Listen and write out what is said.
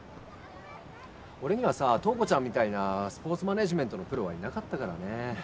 俺にはさ塔子ちゃんみたいなスポーツマネージメントのプロはいなかったからね